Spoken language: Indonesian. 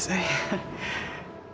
ah ayah kemana sih ini